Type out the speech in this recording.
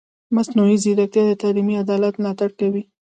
مصنوعي ځیرکتیا د تعلیمي عدالت ملاتړ کوي.